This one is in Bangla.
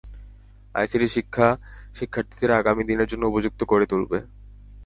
আইসিটি শিক্ষা শিক্ষার্থীদের আগামী দিনের জন্য উপযুক্ত করে তুলবে।